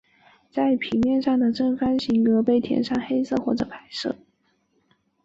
在平面上的正方形格被填上黑色或白色。